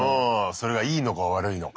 それがいいのか悪いのか。